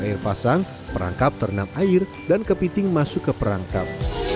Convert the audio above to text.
air pasang perangkap ternyata air dan ke piting masuk ke perangkap